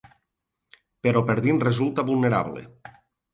Però per dins resulta vulnerable.